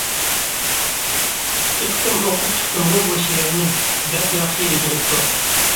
ئىككى قېتىم ئوقۇپ چىقتىمغۇ بۇ شېئىرنى، بەك ياخشى يېزىلىپتۇ.